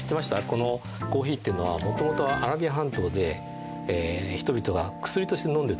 このコーヒーっていうのはもともとはアラビア半島で人々が薬として飲んでたんですよ。